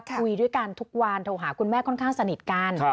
คุยด้วยกันทุกวันโทรหาคุณแม่ค่อนข้างสนิทกัน